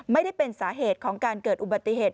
ไม่ได้เป็นสาเหตุของการเกิดอุบัติเหตุ